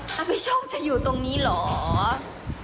ถ้าพี่โชคจะอยู่ตรงนี้เหรอ